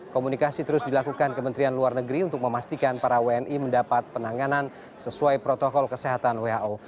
komunikasi terus dilakukan kementerian luar negeri untuk memastikan para wni mendapat penanganan sesuai protokol kesehatan who